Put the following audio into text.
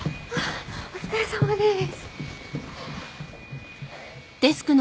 お疲れさまです。